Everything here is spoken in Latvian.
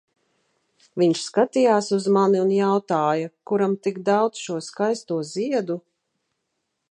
Viņš skatījās uz mani un jautāja, kuram tik daudz šo skaisto ziedu?